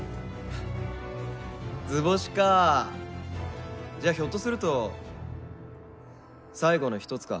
ハッ図星かあじゃあひょっとすると最後の一つか？